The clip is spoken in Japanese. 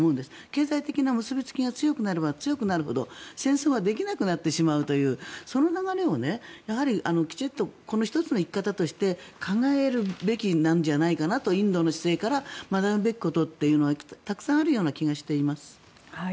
経済的な結びつきが強くなれば強くなるほど戦争はできなくなってしまうという、その流れをやはりきちんとこの１つの生き方として考えるべきなんじゃないかなとインドの姿勢から学ぶべきことというのはたくさんあるような気がしています。